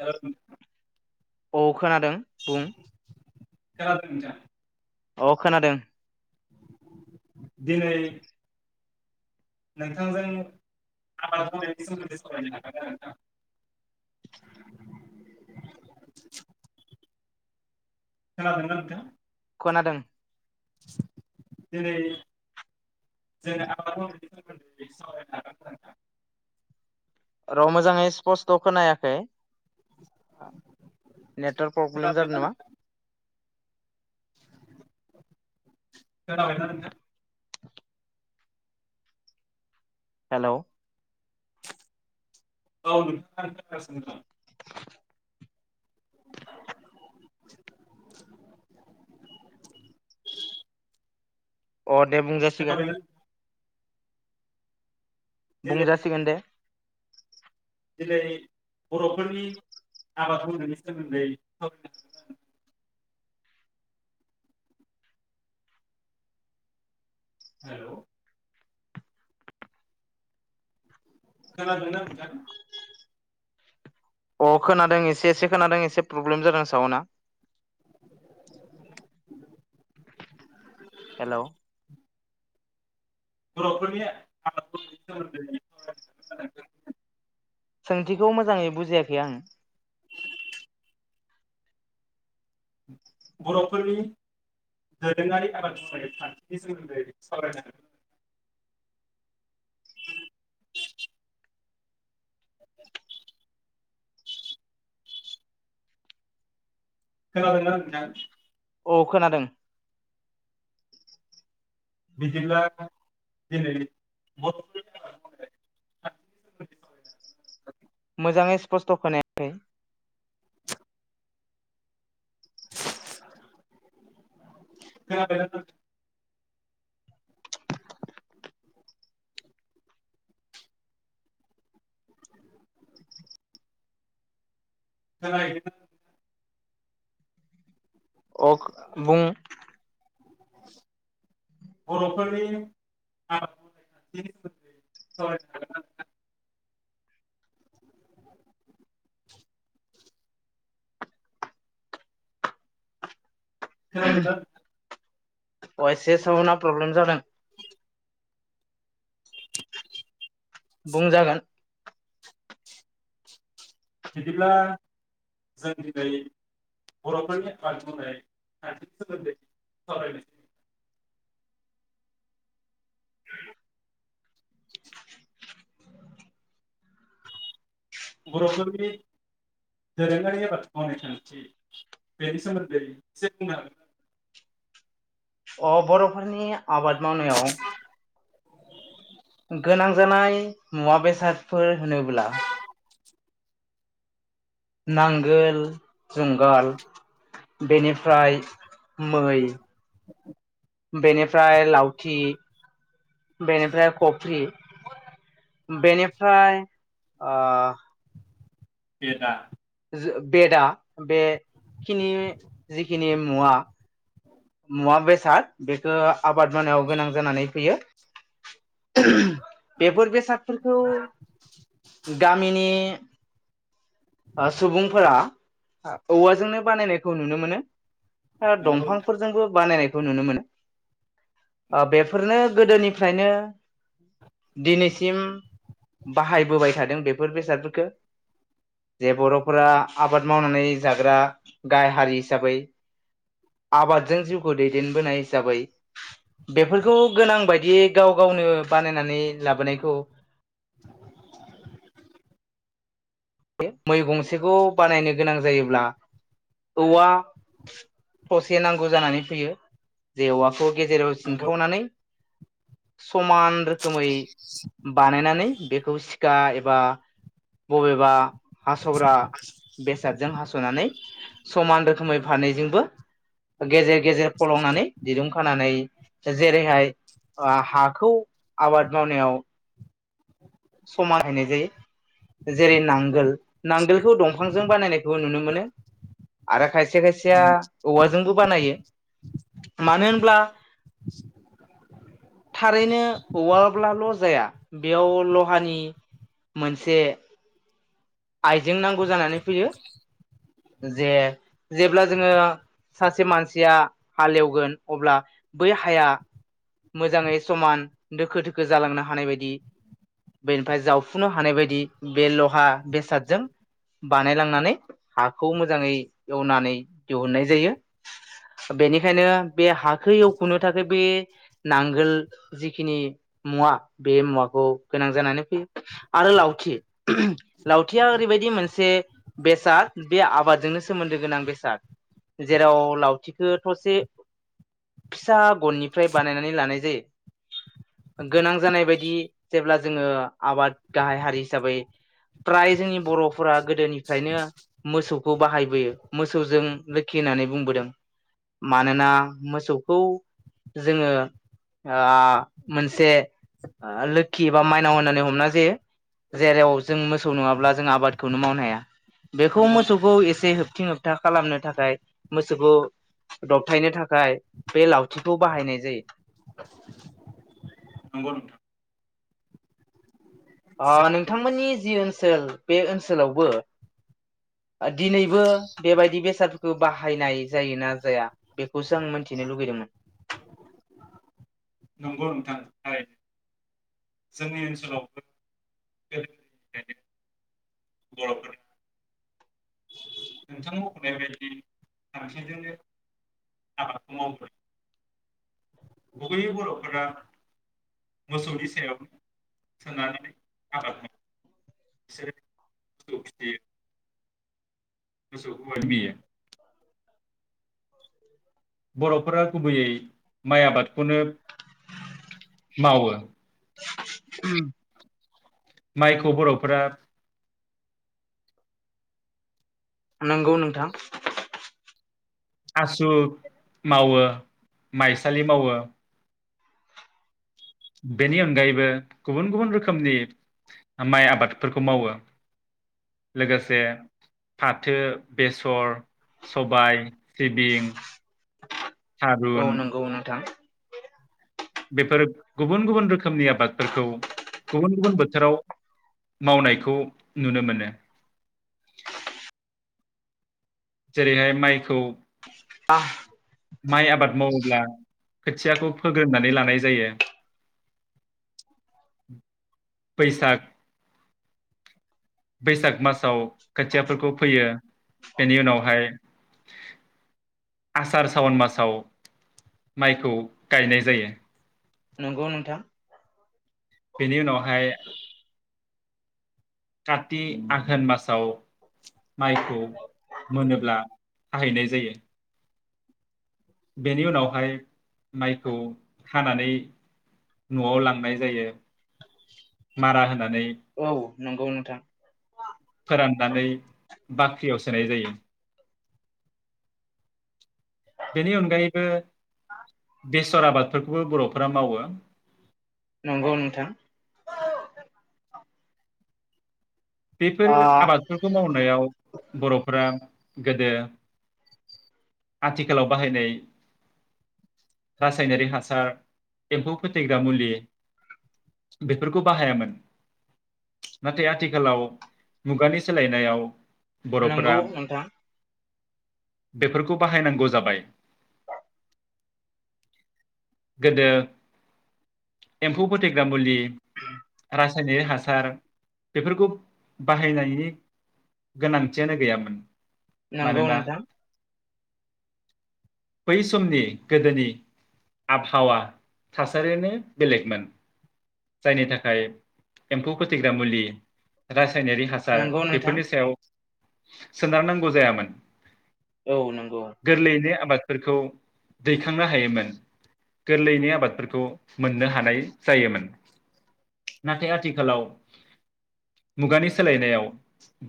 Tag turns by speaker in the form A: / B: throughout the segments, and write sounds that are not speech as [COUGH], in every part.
A: Hello
B: अ खोनादों बुं
A: [INAUDIBLE]
B: अ खोनादों
A: दिनै नोंथांजों आबाद मावनायनि सोमोन्दै सावरायनो हागोन ना नोंथां खोनादोंना नोंथां
B: खोनादों
A: जेरै जों आबाद मावनायनि सोमोन्दै सावरायनो हागोन ना नोंथां
B: र' मोजाङै स्पस्त' खोनायाखै नेटवार्क प्रब्लेम जादों
A: खोनाबायना
B: नामा
A: नोंथां खोनाबायना नोंथां
B: हेल'
A: औ नोंथां खोनागासिनो दं [INAUDIBLE]
B: अ दे बुंजासिगोन
A: खोनाबायना नोंथां दिनै
B: बुंजासिगोन दे
A: दिनै बर'फोरनि आबाद मावनायनि सोमोन्दै [UNINTELLIGIBLE] हेल' खोनादोंना नोंथां
B: अ खोनादों एसे एसे खोनादों एसे प्रब्लेम जादों सावोना हेल'
A: बर'फोरनि आबाद मावनायनि सोमोनदै
B: सोंथिखौ मोजाङै बुजियाखै आं
A: बर'फोरनि दोरोङारि आबाद मावनाय खान्थिनि सोमोन्दै सावराय नांगोन खोनादोंना नोंथां
B: औ खोनादों
A: बिदिब्ला दिनै [UNINTELLIGIBLE]
B: मोजाङै स्पस्त' खोनायाखै
A: खोनादोंना नोंथां [UNINTELLIGIBLE]
B: अ बुं
A: बर'फोरनि [UNINTELLIGIBLE] सोमोन्दै सावरायनो हागोन ना नोंथां खोनादोंना नोंथां
B: अ एसे सावना प्रब्लेम जादों बुंजागोन
A: बिदिब्ला जों दिनै बर'फोरनि आबाद मावनाय खानथिनि सोमोन्दै सावरायनोसै [INAUDIBLE] बर'फोरनि दोरोङारि आबाद मावनाय खानथि बेनि सोमोन्दै एसे बुंना हागोन नामा नोंथां
B: अ बर'फोरनि आबाद मावनायाव
A: [INAUDIBLE]
B: गोनां जानाय मुवा बेसादफोर होनोब्ला नांगोल जुंगाल बेनिफ्राय मै बेनिफ्राय लावथि बेनिफ्राय कफ्रि बेनिफ्राय
A: बे दा
B: बेदा बेखिनि जिखिनि मुवा मुवा बेसाद बेखौ आबाद मावाव गोनां जानानै फैयो बेफोर बेसादफोरखौ गामिनि सुबुंफोरा औवाजोंनो बानायनायखौ नुनो मोनो
A: नंगौ नोंथां
B: दंफांफोरजोंबो बानायनाय नुनो मोनो बेफोरनो गोदोनिफ्रायनो दिनैसिम बाहायबोबाय थादों बेफोर बेसादफोरखौ जे बर'फोरा आबाद मावनानै जाग्रा गाहाय हारि हिसाबै आबादजों जिउखौ दैदेनबोनाय हिसाबै बेफोरखौ गोनां बायदियै गाव गावनो बानायनानै लाबोनायखौ मै गंसेखौ बानायनो गोनां जायोब्ला औवा थसे नांगौ जानानै फैयो जे औवाखौ गेजेराव
A: नंगौ
B: सिनखावनानै समान रोखोमै बानायनानै बेखौ सिखा एबा बबेबा हास'ग्रा बेसादजों हास'नानै समान रोखोमै फारनैैजोंबो गेजेर गेजेर फलंनानै दिरुं खानानै जेरैहाय हाखौ आबाद मावनायाव समाहायनाय जायो जेरै नांगोल नांगोलखौ दंफांजों बानायनायखौबो नुनो मोनो आरो खायसे खायसे खायसेया
A: नंगौ
B: औवाजोंबो बानायो मानो होनब्ला थारैनो औवा ब्लाल' जाया बेयाव लहा नि मोनसे आइजें नांगौ जानानै फैयो जे जेब्ला जोङो सासे मानसिया हालेवगोन अब्ला बै हाया मोजाङै समान दोखो दोखो जालांनो हानाय बायदि बेनिफ्राय जावफुनो हानाय बायदि बे लहा बेसादजों बानायलांनानै हाखौ मोजाङै एवनानै दिहुननाय जायो बेनिखायनो बे हाखौ एवखुनो थाखाय बे नांगोल जिखिनि मुवा बे मुवाखौ गोनां जानानै फैयो आरो लावथि लावथिया ओरैबायदि मोनसे बेसाद बे आबादजोंनो सोमोन्दो गोनां बेसाद जेराव लावथिखौ थसे फिसा गननिफ्राय बानायनानै लानाय जायो गोनां जानाय बायदि जेब्ला जोङो आबाद गाहाय हारि हिसाबै फ्राय जोंनि बर'फोरा गोदोनिफ्रायनो मोसौखौ बाहायबोयो मोसौजों लोखि होननानै बुंबोदों मानोना मोसौखौ जोङो मोनसे लोखि बा माइनाव होननानै हमना जायो जेराव जों मोसौ नङाब्ला जों आबादखौनो मावनो हाया बेखौ
A: नंगौ
B: मोसौखौ एसे होब होबथिं होबथा खालामनो थाखाय मोसौखौ दबथायनो थाखाय बे लावथिखौ बाहायनाय जायो
A: नंगौ नोंथां
B: ओ
A: जोंनि
B: नोंथांमोननि जि ओनसोल बे ओनसोलावबो दिनैबो बेबायदि बेसादफोरखौ बाहायनाय जायोना जाया बेखौसो आं मिथिनो लुुबैदोंमोन
A: नंगौ नोंथां थारैनो जोंनि ओनसोलावबो गोदायनिफ्रायनो बर'फोरा नोंथां मख'नाय बायदि [UNINTELLIGIBLE] आबादखौ मावबोदों गुबैयै बर'फोरा मोसौनि सायाव बिसोरो मोसौ फिसियो [UNINTELLIGIBLE]
B: [UNINTELLIGIBLE]
A: बर'फोरा गुबैयै माइ आबादखौनो मावो
B: ओम
A: माइखौ बर'फोरा
B: नंगौ नोंथां
A: आसु मावो माइसालि मावो बेनि अनगायैबो गुबुन गुबुन रोखोमनि माइ आबादफोरखौ मावो लोगोसे फाथो बेसर सबाय सिबिं
B: औ
A: थारुन
B: नंगौ नोंथां
A: बेफोर गुबुन गुबुन रोखोमनि आबादफोरखौ गुबुन गुबुन बोथोराव मावनायखौ नुनो मोनो जेरैहाय माइखौ
B: आ
A: माइ आबाद मावोब्ला खोथियाखौ फोग्रोननानै लानाय जायो बैसाग बैसाग मासाव खोथियाफोरखौ फोयो बेनि उनावहाय आसार सावन मासाव माइखौ गायनाय जायो
B: नंगौ नोंथां
A: बेनि उनावहाय कति आघोन मासाव माइखौ मोनोब्ला फाहैनाय जायो। बेनि उनावहाय माइखौ खानानै न'आव लांनाय जायो मारा होनानै
B: औ। नंगौ नोंथां।
A: फोराननानै बाख्रियाव सोनाय जायो। बेनि अनगायैबो बेसर आबादफोरखौबो बर'फोरा मावो
B: नंगौ नोंथां।
A: बेफोर
B: आ
A: आबादफोरखौ मावनो बर'फोरा गोदो आथिखालाव बाहायनाय रासायनारिक हासार एम्फौ फोथैग्रा मुलि बेफोरखौ बाहायामोन नाथाय आथिखालाव मुगानि सोलायनायाव
B: नंगौ
A: बर'फोरा
B: नोंथां।
A: बेफोरखौ बाहायनांगौ जाबाय गोदो एम्फौ फोथेग्रा मुलि रासायनिक हासार बेफोरखौ बाहायनायनि गोनांथियानो गैयामोन।
B: नंगौ
A: मानोना
B: नोंथां।
A: बै समनि गोदोनि आबहावा थासारियानो बेलेगमोन जायनि थाखाय एम्फौ फोथैग्रा मुलि रा रासायनारि हासार
B: नंगौ नोंथां
A: बेफोरनि सायाव सोनारनांगौ जायामोन।
B: औ नंगौ
A: गोरलैयैनो आबाद फोरखौ दैखांनो हायोमोन गोरलैयैनो आबादफोरखौ मोननो हानाय जायोमोन नाथाय आथिखालाव मुगानि सोलायनायाव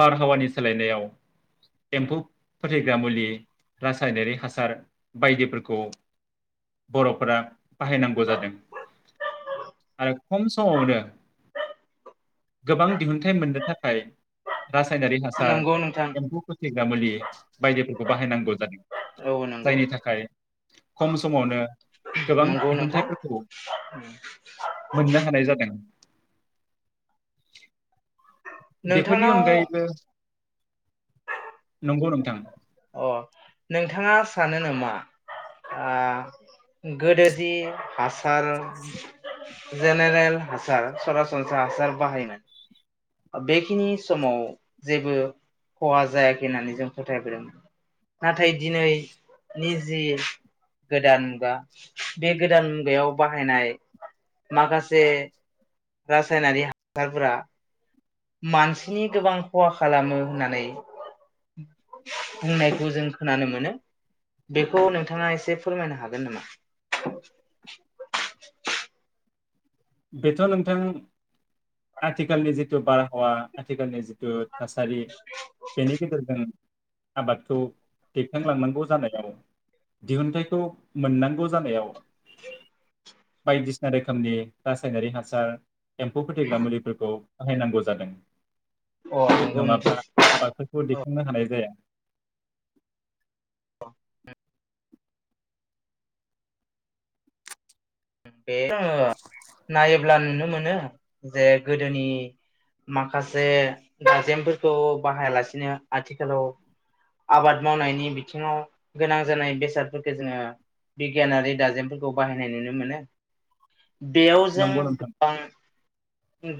A: बारहावानि सोलायनायाव एम्फौ फोथैग्रा मुलि रासायनारि हासार बायदिफोरखौ बर'फोरा बाहायनांगौ जादों आरो खम समावनो गोबां दिहुन। फाइ मोननो थाखाय रासायनारि हासार
B: नंगौ नोंथां
A: एम्फौ फोथग्रा मुलि बायदिफोरखौ बाहायनांगौ जादों
B: औ नंगौ
A: जायनि थाखाय खम समावनो गोबां
B: नंगौ नोंथां
A: दिहुनथायाइफोरखौ मोननो हानाय जादों। बेफोरनि
B: नोंथांनाव
A: अनगायैबो नोंगौ नोंथां।
B: अ नोंथाङा सानो नामा गोदो जि हासार [INAUDIBLE] जेनेरेल हासार सरासनस्रा हासार बाहायोमोन बेखिनि समाव जेबो खहा जायाखै होननानै जों फोथायबोदोंमोन। नाथाय दिनैनि जि गोदान मुगा बे गोदान मुगायाव बाहायनाय माखासे रासायनारि हासारफोरा मानसिनि गोबां खहा खालामो होननानै बुंनायखौ जों खोनानो मोनो बेखौ नोंथाङा एसे फोरमायनो हागोन नामा?
A: बेथ' नोंथां आथिखालनि जिथु बारहावा आथिखालनि जिथु। थासारि बेनि गेजेरजों आबादखौ दैखांलांनांगौ जानायाव दिहुनथाइखौ मोननांगौ जानायाव बायदिसिना रोखोमनि रासायनारि हासार एम्फौ फोैग्रा मुलिफोरखौ बाहायनांगौ जादों
B: अ नंगौ नोंथां
A: नङाब्ला आबादफोरखौ दैखांनो नो हानाय जाया
B: [UNINTELLIGIBLE] नायोब्ला नुनो मोनो जे गोदोनि माखासे दाजेमफोरखौ बाहायालासिनो आथिखालाव आबाद मावनायनि बिथिङाव गोनां जानाय बेसादफोरखौ जोङो बिगियानारि दाजेमफोरखौ बाहायनाय नुनो मोनो। बेयाव जों
A: नंगौ नोंथां
B: गोबां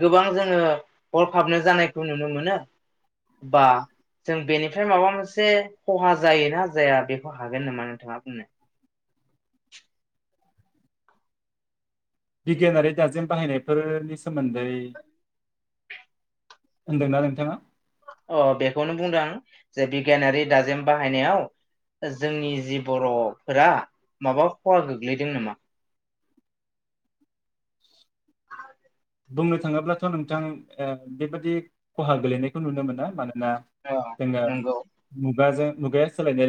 B: गोबां जोङो हरखाबनो जानायखौ नुनो मोनो बा जों बेनिफ्राय माबा मोनसे खहा जायोना जाया बेखौ हागोन नामा नोंथाङा बुंनो
A: बिगियानारि दाजेम बाहायनायफोरनि सोमोन्दै होनदोंना नोंथाङा?
B: अ बेखौनो बुंदों आं जे बिगियानारि दाजेम बाहायनायाव जोंनि जि बर'फोरा माबा खहा गोग्लैदों नामा? [INAUDIBLE]
A: बुंनो थाङोब्लाथ' नोंथां बेबादि खहा गोलैनायखौ नुनो मोना मानो ना
B: औ
A: जोङो
B: नंगौ
A: मुगाजों मुगाया सोलायनाय लोगो लोगो